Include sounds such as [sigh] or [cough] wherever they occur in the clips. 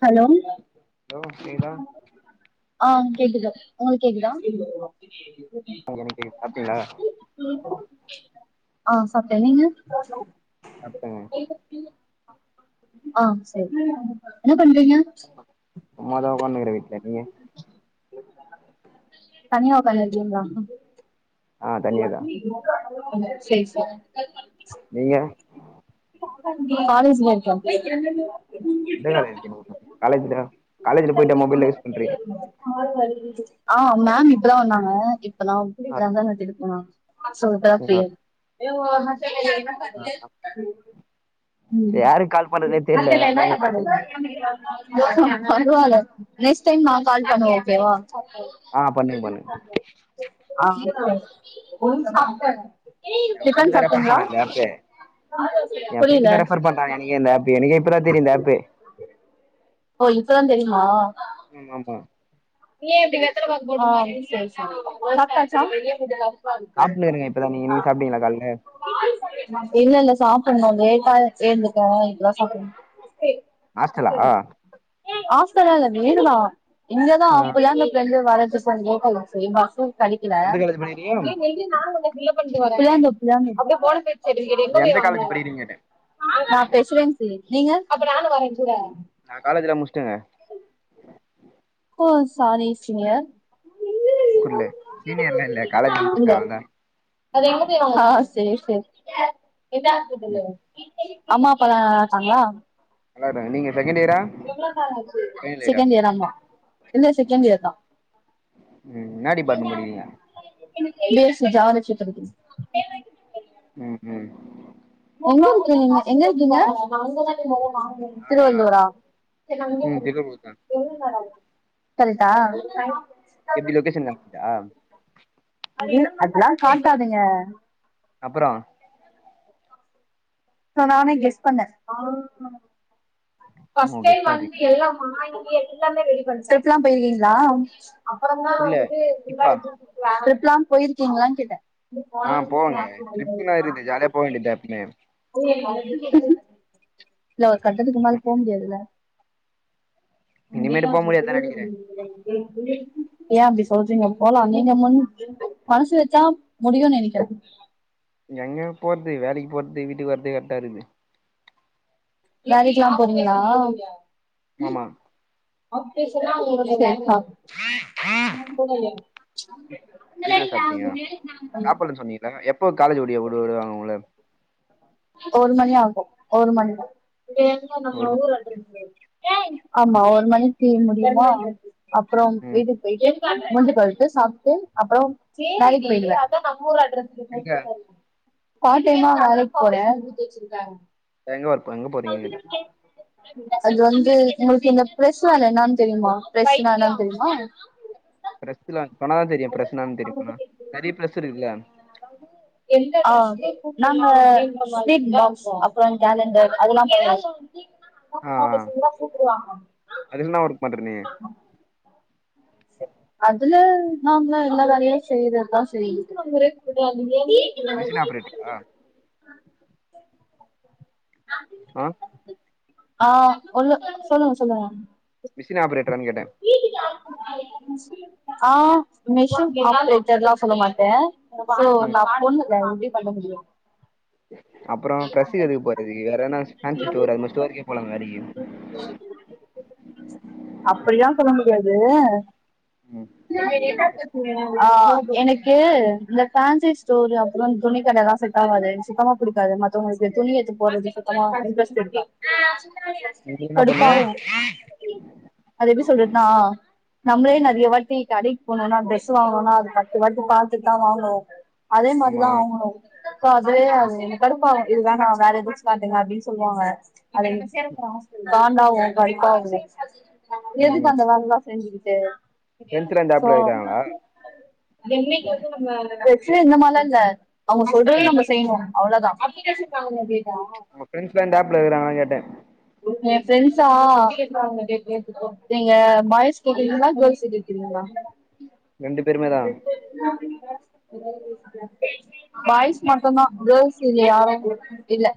Hello hello செய்தா ஆ கேக்குது உங்களுக்கு கேக்குதா எனக்கு கேக்குது சாப்ட்டீங்களா [unintelligible] ஆ சாப்ட்டே நீங்க சாப்டேங்க ஆ சரி என்ன பண்றீங்க சும்மாதா உக்காந்துக்கர வீட்ல நீயி தனியா உக்காந்துருகீங்களா ஆ தனியாதா சரி சா நீங்க காலேஜ்ல இருக்கே எந்த காலேஜ் காலேஜ்க்கா காலேஜ்ல போயிட்டா மொபைல் யூஸ் பண்றிங்க ஆ மேம் இப்பதா வந்தாங்க இப்பதா ஆ [unintelligible] சோ [inaudible] ஆ ஆ யாருக்கு கால் பண்றதுனே தெர்ல மத்தல்ல என்ன அதனாலதா உங்களுக்கு மெசேஜ் பண்ணுவீங்க பரவால நெக்ஸ் டைம் நா கால் பண்ணுவே ஓகேவா [inaudible] ஆ பண்ணுங்க பண்ணுங்க ரெண்டு டிஃபன் பேரு ரெபர் சாப்ட்டீங்களா பண்ணாங்க நேத்தே எ புரியல ஃப்ரெண்டு தா ரெபர் பண்றான் எனக்கு ஆப்பு எனக்கு எப்றா தெரியும் அப்பே ஓ இப்பதா தெரியுமா ம் ஆமா [unintelligible] நீன் எப்டித்த ப போடுரி சரி சாப்பட்டுனு இருக்கே இப்பதா நீ சாப்டிங்ளா கால்லே இல்ல இல்ல சாப்பணு லேட்டா ஆயிச்சு இப்ப தா சாப்பனு ஆஸ்டலா ஆஸ்டல்லா இல்ல வீடு தா இங்கதா புள்ளாங்க வரத்துக்கு சரி பஸ்ஸு கழிக்கல எந்த காலேஜ் நீ படிக்கிறீங்க நில்லுரி கொஞ்சம் பண்ணா அப்படியே எந்த காலேஜ் போன படிக்கிறீங்க கேட்டே நான் பேசுறேன் நீங்க நா காலேஜ்ல்லா முச்சுட்டேங்க ஒ சாரி சீனியர் குர்லே சீனியர்லா இல்ல காலேஜ்லா முட்ச்சுட்டே அவ்ளோ தா ஆ சரி சரி அம்மா அப்பாலா நல்லா இருக்காங்களா நல்லாருக்காங்க நீங்க செகண்ட் இயரா ஃபைனல் இயரா செகண்ட் இயர் ஆமா இல்ல செகண்ட் இயர் தா என்ன டிபாட்மண்ட் படிக்றீங்க பி எஸ் சி ஜூவாலஜி படிக்கற ம் ம் ஒண்ணா இருக்கீங்க எங்க இருக்கீங்க நானா திருவள்ளூரா ம் திருவள்ளூர் தான் கரெட்டா ஆ அது அதல்லா காட்டாதுங்க அப்றம் சோ நானே கெஸ் பண்ணே ஓ கெஸ் ஸ்டெப்லா பண்றீங்க போயிருக்கீங்களா புர்ல ட்ரிப்பா ஸ்டெப்லா போயிருக்கீங்களான்னு கேட்டே இருப்பா ஆ போவாங்க ட்ரிப்புனா இருக்குது ஜாலியா போ வேண்டியதா எப்பமே இல்ல ஒரு கட்டத்துக்கு மேல போ முடியாதுல்ல இனிமேட்டு போ முடியாதுதா நெனைக்கிறே என் அப்டி சொல்றீங்க போலா நீங்க மனசு வச்சா முடியும்னு நனைக்கறே எங்க போறது வேலைக்கு போறது வீட்டுக்கு வரது கரட்டா இருக்கு வேலைக்கெல்லா போறீங்களா ஆமா சரிப்பா [unintelligible] நீங்க என்ன சாப்ட்டீங்க [inaudible] சாப்பட்லன்னு சொன்னீங்கல்ல எப்போ காலேஜ் ஓடி விடு வாங்க உங்கள ஒரு மணி ஆகு ஒரு மணி ஒரு மணி கேட்டீங்க. ஆமா ஒரு மணிக்கு முடியுமா அப்பற ம் வீட்டுக்கு போயிட்டு முந்தி பழத்து சாப்ட்டு அப்பற வேலைக்கு போயிருவே எங்க பார் டைமா வேலைக்கு போறே எங்க வர்க் எங்க போறீங்க அது வந்து உங்களுக்கு இந்த பிரெஸ் வேலை என்னனு தெரியுமா பிரெஸ்ன்ன என்னனு தெரியுமா பிரெஸ்ல [unintelligible] தெரியு பிரெஸ்னா ன்னா தெரியுமா நெறையா ப்ரெஸ் இருக்குல்ல அதாவது ஆ நாங்க ஸ்வீட் பாக்ஸ் அப்பற கேலண்டர் அதெல்லா [inaudible] [inaudible] பேசி இருந்த கூப்புடு வாங்க அது என்னா ஒர்க் பண்ணற நீ [unintelligible] அதுல நாங்க எல்லா தனியா செய்றதுதா [inaudible] மிஷின் ஆப்ரேட் பண்ண வா ஆ ஆ உள்ள சொல்லுங்க சொல்லுங்க மிஷின் ஆப்ரேட்டரான்னு கேட்டே ஆ மிஷின் ஆப்ரேட்டர்ல்லா சொல்ல மாட்டே சோ ம் நா பொண்ணுங்க எப்படி பண்ண முடியு அப்பற [inaudible] ஸ்டோர் அது மாரி ஸ்டோருக்கே போலா வேலைக்கி அப்புடில சொல்ல முடியாது ம் [inaudible] ஆ எனக்கு இந்த பேன்சி ஸ்டோரு அப்பற துணி கடைல செட் ஆவாது சுத்தமா பிடிக் மத்தவங்களுக்கு துணி எடுத்து போடுறது சுத்தமா இன்ட்ரஸ்ட் இருக்கா நீ என்ன பண்ணு கடுப்பவு அத எப்டி சொல்லுறது னா நம்மளே நெறைய வாட்டி கடைக்கு போணும்னா டிரரெஸ் வாங்கணுனா அது பத்து வாட்டி பாத்துட்டு தா வாங்குவோ அதே ஆமா மாரிதா அவங்களு [unintelligible] கடுப்பாகும் இது வேணா வேற எதச்சு காட்டுங்க அப்படின் சொல்லுவாங்க [inaudible] காண்டாகும் கடுப்பாவும் ம் எதுக்கு அந்த வேலைலா செஞ்சுக்கிட்டு ஃப்ரெண்ட்ஸ்லா இந்த சோ ஆப்ல இருக்காங்களா ச்ச இந்த மாரிலா இல்ல அவங்க சொல்றது ம் நம்ம செய்யணும் அவ்ளதான் அப்ளிகேஷன் வாா [unintelligible] உங்க ஃபிரண்ட்ஸ்லா இந்த ஆப்ல இருக்ராங்ளானு கேட்டேன் என் ஃபிரண்ட்ஸா நீங்க பாய்ஸ் கேக்குறீங்களா கேர்ள்ஸ கேக் றீங்களா ரெண்டு பேருமே தான் [inaudible] பாய்ஸ் மட்டும்தான் கேர்ள்ஸ் இங்கே யாரும் இல்லை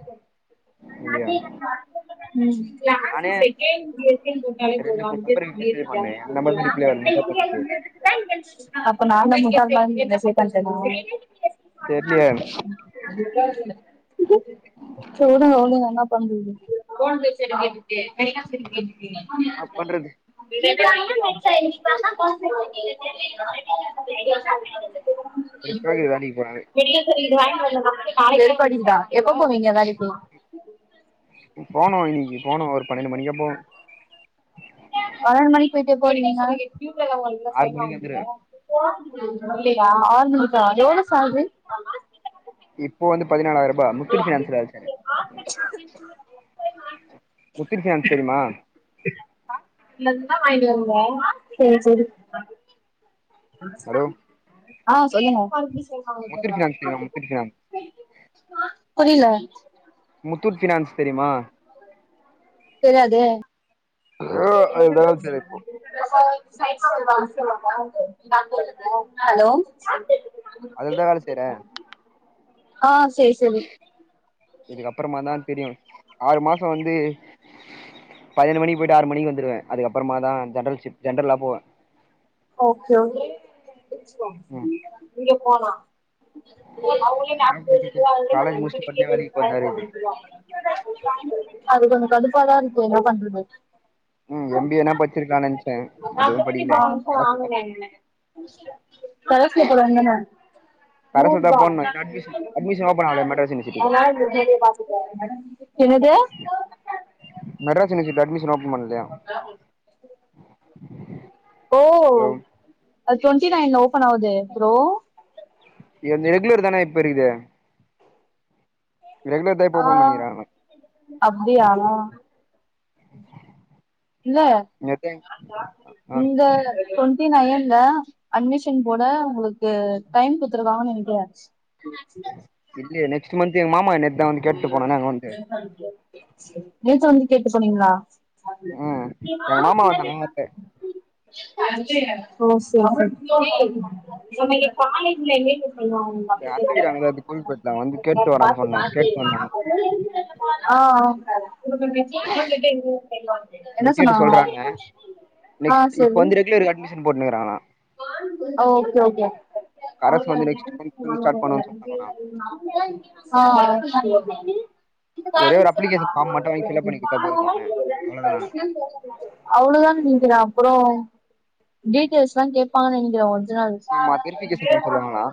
இல்லையா [inaudible] ம் கிளாஸ் நானே செகண்ட் இயர்னு போட்டாலே ரெண்டு போது மூணு நம்பருக்கு மெசேஜ் பண்ணே என் நம்பருமே ரிப்ளை வரல நீதா பண்ணியே [unintelligible] [inaudible] அப்ப நா தா முட்டாள் மாரி மெசேஜ் பண்டேனா தெர்லயே என்னா செரி உடுங்க உடுங்க என்னா பண்றது பண்றது [inaudible] [inaudible] வெறுப்பாகுது வேலைக்கு போனாவே வெறுப்படிக்குதா எப்ப போவீங்க வேலைக்கி போனோ இன்னிக்கி போனோ ஒரு பன்னெண்டு மணிக்கா போவ பன்னெண்டு மணிக்கு போயிட்டு எப்ப வருவீங்க ஆறு மணிக்கு வந்துருவே ஆறுமணிக்கா எவ்வளோ சேலரி இப்போ வந்து பதினாலாயிரபா முத்து ஃபினான்ஸ்ல இருக்க ஆ முத்து ஃபினான்ஸ் தெரியுமா செரி செரி ஹலோ ஆ சொல்லுக்க முத்தூட் ஃபினான்ஸ் தெரியுமா முத்தூட் ஃபினான்ஸ் புரியுல முத்தூட் ஃபினான்ஸ் தெரியுமா தெரியாதே அதுலதா வேல செய்ற இப்போ ஹலோ அதுலதா வேல செய்றே ஆ செரி செரி இதுக்கப்பறமாதா தெரியு ஆறு மாசோ வந்து பண்ணென்டு மணிக்கு போயிட்டு ஆறு மணிக்கு வந்துருவ அதுக்கப்பறமாதா ஜென்ரல் ஷிப்ட் ஜென்ரல்லா போவே ஓகே ஓகே ம் இங்க போனா [unintelligible] என்ன பண்றது காலேஜ் முடிச்சுட்டு உடனே வேலைக்கு போறதா இருக்குது அது கொஞ்சோ கடுப்பாதா இருக்கோ என்ன பண்றது ம் எம் பி ஏனா படிச்சிருக்கலான்னு நென்ச்சே அதுவு படிக்கல இப்ப கரஸ்ல வாங்கன என்ன பலசுல போடாதீங்க என்ன கரஸ்ல தா நூறுபா போட்ணு இன்னு அட்மிஷன் அட்மிஷன் ஓப்பன் ஆகல மெட்ராஸ் யூனிவர்சிட்டில [unintelligible] என்னது மெட்ராஸ் யூனிவர்சிட்டில அட்மிஷன் ஓப்பன் பண்ணு ஓ ஹலோ அது டுவெண்ட்டி நைன்ல ஓபன் ஆவுது ப்ரோ என்ந்து எகுலர் தான இப்போ இருக்குது ரெகுலர் தா இப்ப ஆ ஓப்பன் பண்ணிக்கிறாங்க அப்டியா இல்ல நேத்தே ஆ இந்த டொண்ட்டி நெயன்ல அட்மிஷன் போட உங்குளுக்கு டைம் குடுத்துருக்காங்கன்னு நெனைக்குறே இல்லியே நெக்ஸ்ட்டு மந்த்து ஏ மாமா நேத்துதா வந்து கேட்டு போனாங்க அங்க வன்ட்டு [unintelligible] நேத்து வந்து கேட்டு போனீங்களா ம் எங்க மாமா வந்தானே நேத்து ஓ செரி செரி இது அத்த வீடு அங்க இருக் கொருக்குபேட்ல வந்து கேட்டு வாடான்னு சொன்னே கேட்னு வந்தாங்க ஆ இத என்ன கேட்டு சொன்னாங்லா சொல்றாங்க ஆ செரி சின் போட்னுக்குறாளா ஓகே ஓகே அவ்ங்க அரசு அதுல வந்து நெக்ஸ்ட் மந்த் வந்து ஸ்டார்ட் பண்ணுவான்னு வாங்குறதுலர்ந்து சொன்னாங்களா ஆ அடுத்துநாள்லியு ப்ளானு இ ஒரே ஒரு அப்ளிகேஷன் ஃபார்ம் மட்டு வாங்கி ஃபில்அப் பண்ணி குடுத்தா போதுமாமே அவ்ளோதானா அவுளோதான் நென்க்கிறே அப்புறோ டீட்டெயல்ஸ்லா கேப்பாங்க நெனைக்கிற ஒர்ஜுனல் [inaudible] ஆமா வெரிஃபிகேஷன் பண்ண சொல்லுவாங்களா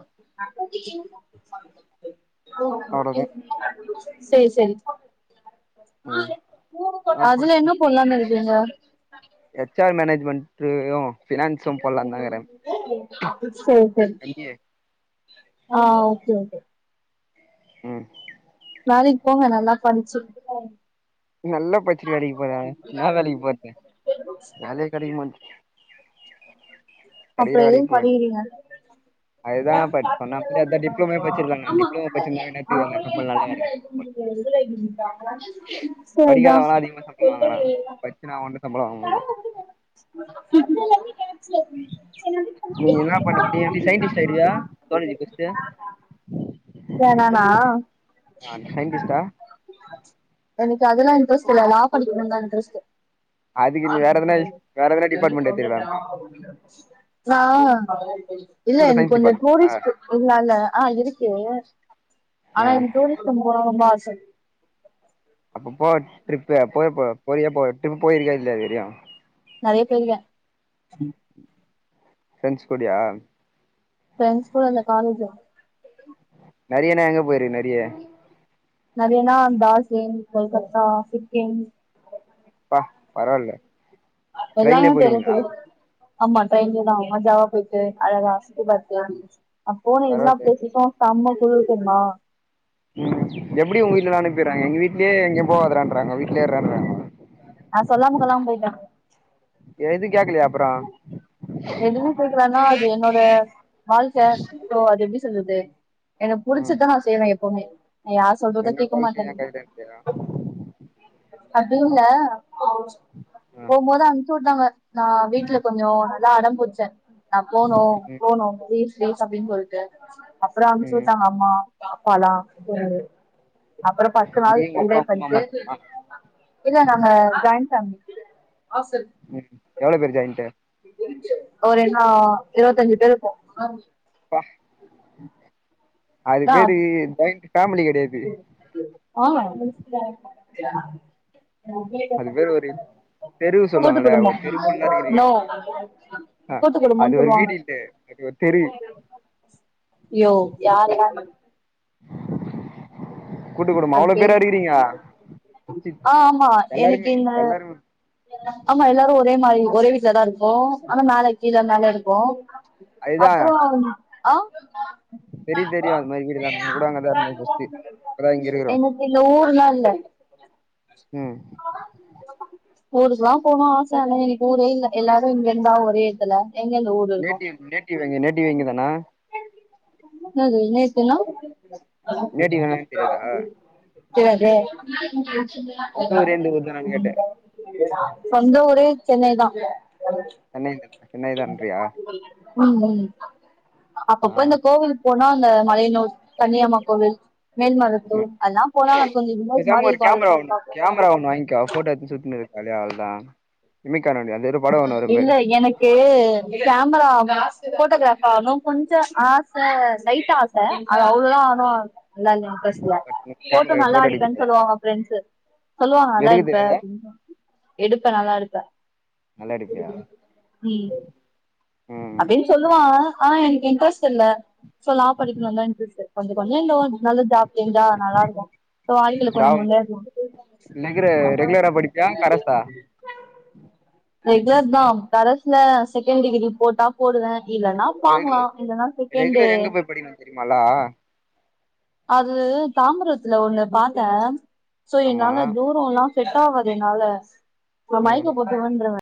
ஓ அவ்ளோதா சேரி சேரி ம் அப்ப அதுல என்ன போட்லான் இருக்கீங்க ஹெச் ஆர் மேனேஜ்மெண்ட்திலியு சேரி சேரி எம் பி ஏ ஆ ஓகே ஓகே ம் வேலைக் போங்க நல்லா படிச்சு நல்லா படிச்சுட்டு வேலைக்கு போங்க என்னா வேலைக்கு போற்து வேலயே கெடைக்க மாட் [unintelligible] படிக்கிற அப்புறோ வேலைக்கு எதுக் போ படிக்கிறீங்க அதுதான் இப்ப சொன்ன மாரி அதான் டிப்ளமோ படிச்சிருக்காங்க ஆமா டிப்ளமோ படிச்சிருந்தா என்னத்துக்கு அந்த கம்பெனில நல்ல வேல இது வந்து [unintelligible] சரிதா படிக்காதவன்லா அதிகமா சம்பளோ வாங்குறா படிச்சுனா ஒன்னு சம்பளோ வாங்க முடில என்ன நீ என்ன பண்ண நீ எப்டி சயின்டிஸ்ட் ஆயிடுவியா காலேஜ் படிச்சுட்டு யார் நானா ஆ சயின்டிஸ்டா எனக்கு அதுலா இன்ட்ரெஸ்ட் இல்ல லா படிக்கணுன்தா இன்ட்ரெஸ்ட்டு அதுக்கு நீங்க வேற எதுனா வேற எதனா டிபாட்மெண்ட் எட்த்துக்குலாம நா இல்ல ஸ்கூல்ல என்க் சயின்ஸ் கொஞ்சோ டிபார்ட்மெண்ட்டா டூரிஸ்ட்டு இல்லல்ல ஆ இருக்கு ஆனா ஆ என்க் டூரிஸ்ட்டம் போனுன்தா ஆச அப்ப போ ட்ரிப்பு போறது போற போயே போ ட்ரிப்புக் போயிருக்கியா இல்லையா இதுவரியு நெறையா போயிருக்க ஃபிரெண்ஸ் கூடயா ஃபிரெண்ஸ் கூட இல்ல காலேஜ்லதா நெறையான எங்க போயிருக்ன நெறையனா தாசேன் கொல்கத்தா சிக்கிம் ப்பா பரவா இல்ல எல்லாமே போக போறோ ஆமா ட்ரெய்ன்லதா மஜாவா போச்சு அழகா சுத்திபாக்றதா இருந்துச்சு நா போன எல்லா பரவால்லையே பிளேஸுக்கு சம்ம குழுரு தெர்மா ம் எப்படி உங்க வீட்டுலலா அனுப்பிறாங்க எங்க வீட்லே எங்கியு போகாதறான்றாங்க வீட்லே இறான்ட்றாங்க நா சொல்லாம கொல்லாம போய்ட்ட எது கேக்லயா எதுவு கேக்குலனா அது என்னோட வாழ்க்க சோ அது எப்டி சொல்றது எனக்கு ம் புடிச்சதா நான் செய்வ எப்பவ்மே நான் யார் சொல்றது என்னோட கேட்க வாழ்க்கை மாட்டன் என் கைல இருக்குயா அப்டி இல்ல ஆ போமோது அம்ச்சு உட்டாங்க நா வீட்ல கொஞ்சோ நல்லா அடம்புட்ச்ச நா போனு ம் போனு ப்ளீஸ் ப்ளீஸ் அப்டின் சொல்ட்டு அப்புறோ அம்ச்சு ம் உட்டாங்க அம்மா பாப்பலா அப்றொ பத்து நாள் நீயு உங்க அப்பா என்ஜாய் உங்க அம்மா பண்ட்டு மட்டுமா இல்ல நாங்க ஜாய்ன் ஃபேம்லி ம் எவ்ளோ பேரு ஜாயின்ட்டு ஒரு அ இருவத்தஞ்சு பேரு இருப்போ ப்பா அது நா பேரு ஜாயிண்ட் ஃபேமிலி கெடையாது [unintelligible] அது பேரு ஒரு தெருவு கூட்டு சொல்லுவாங்கல்ல குடும்பொ ஒரு தெரு ஃபுல்லா இருக்கிறீங்க நோ ஆ அது கூட்டக்குடும்பன்னு ஒரு சொல்வாங்க வீடு இல்ல அது ஒரு தெரு யோ யார் யா கூட்டு குடும்பொ அது அவ்ளோ பேரு பேரா இருக்றீங்க ஆ ஆமா எனக்கு இந்த எல்லாருமே ஆமா எல்லாரு ஒரே மாரி ஒரே வீட்லதா இருக்கோ ஆனா மேல கீழே மேல இருக்கோ அதுதா அப்பறொ ஆ தெரியு தெரியு அது மாறி வீடெலா நா கூட அங்கதா இருந்த ஃபஸ்ட்டு இப்பதா இங்க இருக்குறோ எனக்கு இந்த ஊர்லால்ல ம் ஊருக்லா போனு ஆச எனக்கு ஊரே இல்ல எல்லாரு இங்க இருந்தா ஒரே எத்துல எங்கந்து ஊரு நேட்டிவ் நேட்டிவ் எங்க நேட்டிவே இங்கதானா [unintelligible] என்ன அ நேட்டிவ் என்னன்னு தெரியாதா [inaudible] சொந்த ஊரே இந்த ஊர் தானான்னு கேட்டே சொந்த ஊரே சென்னைதா சென்னை சென்னைதான்றியா ம் ம் ஆ அப்பப்ப இந்த கோவில்க்கு போனா அந்த மலையனூர் கன்னியம்மா கோவில் மேல்மரூ அதல்லா போனால கொஞ்சொ வில்லேஜ் பேசாம ஒரு மாறிருக்கு கேமரா பண்ணி ஒன்னு பா கேமரா வாங்கிக்கோ ஃபோட்டோ எடுத்து சு தான் வே [unintelligible] இல்ல எனக் கு கேமரா ஆச போட்டோகிராப் [unintelligible] ஆகணு கொஞ்சொ ஆச லைடா ஆச ல அது அவ்ளவுல்லா நல்லா இ இன்ட்ர இல்ல ஃபோட்டொ கேமரால நல்லா ஃபோட்டோ எடுக்க எடுப்பேன்னு தெரியாது சொல்லுவாங்க ஃபிரண்ட்ஸு சொல்லுவாங்க நல்லா எடுக்க எடுப்பே தெரியாதா எடுப்பே நல்லா எடுப்பே நல்லா எடுப்பியா ம் அப்டின்னு சொல்லுவாங்க ஆ எனக்கு இன்ட்ரெஸ்ட் இல்ல சொ லா படிக்கலந்தா இன்ட்ரெஸ்ட் கொஞ்சொ கொஞ்சொ இதுவா நல்ல ஜாப் தெரிஞ்சா நல்லாருக்கு [unintelligible] வாழ்க்கையில கொஞ்சம் ராவ் முன்னேறதுக்கு ரெகுல ரெகுலரா படிப்பியா கரஸ்ஸா ரெகுலர் தா கரஸ்சல செகண்ட் டிகிரி போட்டா போடுவே இல்லனா வாங்லா இல்லானா செகண்டு நெஜமாலா அது தாம்பரத்துல ஒண்ணு பாத்தே சோ ஆமா என்னால தூர் ல்லா செட் ஆவது என்னால ஒரு ம் மயக்க போட்டு விழுந்துறுவே